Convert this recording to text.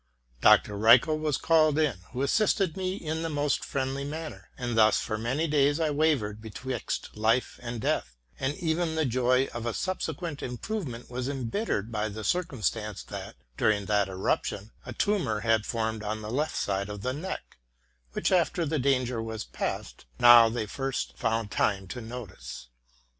Dr. Reichel was called in, who assisted me in the most friendly manner; and thus for many days I wavered betwixt life and death: and even the joy of a sub sequent improvement was embittered by the circumstance that, during that eruption, a tumor had formed on the left side of the neck, which, after the danger was past, they now first found time to notice.